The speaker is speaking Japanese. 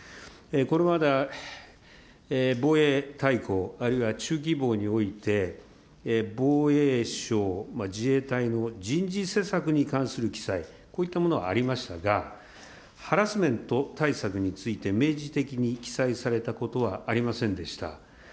これまで防衛大綱、あるいは中期防において、防衛省、自衛隊の人事施策に関する記載、こういったものはありましたが、ハラスメント対策について明示的に記載されたことはありませんでした。